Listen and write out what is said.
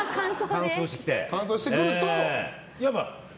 乾燥してくると？